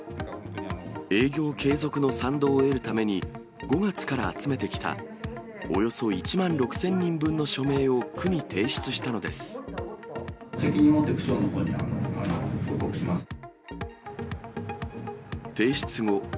営業継続の賛同を得るために、５月から集めてきたおよそ１万６０００人分の署名を区に提出し責任もって区長のほうには報提出後。